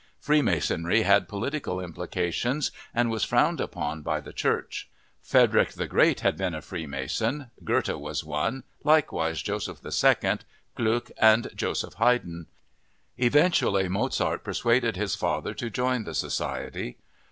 Freemasonry had political implications and was frowned upon by the Church. Frederick the Great had been a Freemason, Goethe was one, likewise Joseph II, Gluck, and Joseph Haydn. Eventually Mozart persuaded his father to join the society.